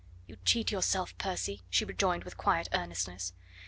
"You cheat yourself, Percy," she rejoined with quiet earnestness.